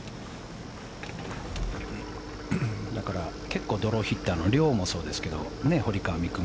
結構、ドローヒッターの遼もそうですけど堀川未来